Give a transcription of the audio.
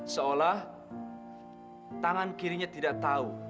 seolah tangan kirinya tidak tahu